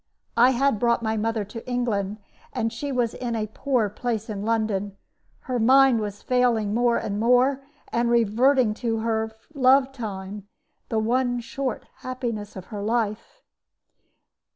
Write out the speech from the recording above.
I had brought my mother to England, and she was in a poor place in London; her mind was failing more and more, and reverting to her love time, the one short happiness of her life.